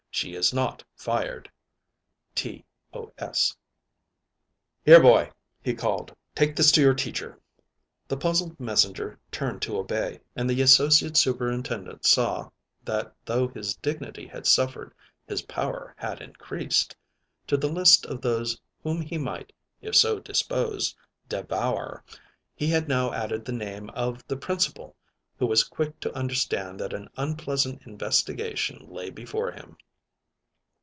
She is not fired. T. O'S." "Here, boy," he called; "take this to your teacher." The puzzled messenger turned to obey, and the Associate Superintendent saw that though his dignity had suffered his power had increased. To the list of those whom he might, if so disposed, devour, he had now added the name of the Principal, who was quick to understand that an unpleasant investigation lay before him.